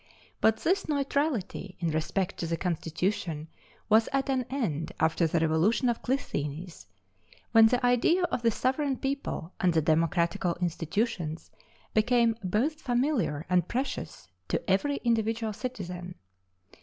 But this neutrality in respect to the constitution was at an end after the revolution of Clisthenes, when the idea of the sovereign people and the democratical institutions became both familiar and precious to every individual citizen.